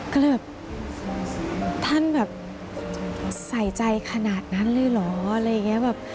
ก็เลยแบบท่านแบบใส่ใจขนาดนั้นเลยเหรอ